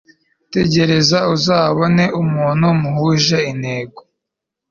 tegereza uzabone umuntu muhuje intego